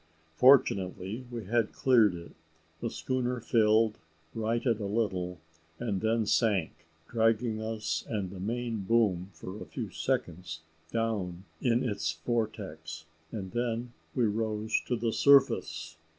Fortunately we had cleared it; the schooner filled, righted a little, and then sank, dragging us and the main boom for a few seconds down in its vortex, and then we rose to the surface.